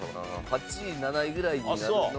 ８位７位ぐらいになるのか。